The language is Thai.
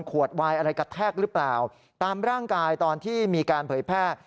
วายอะไรกระแทกหรือเปล่าตามร่างกายตอนที่มีการเผยแพร่